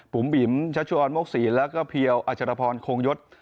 บุ๋มบิ๋มชัชวอนโมกษีแล้วก็เพียวอัจจันทรพรโคงยศ